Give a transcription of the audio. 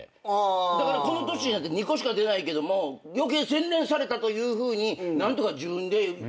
だからこの年になって２個しか出ないけども。というふうに何とか自分でこう。